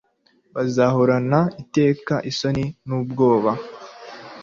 Bazahorane iteka isoni n’ubwoba